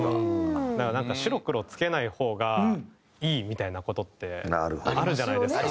だからなんか白黒つけない方がいいみたいな事ってあるじゃないですか。